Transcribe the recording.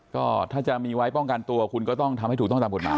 ก็ถ้าจะมีไว้ป้องกันตัวคุณก็ต้องทำให้ถูกต้องตามกฎหมาย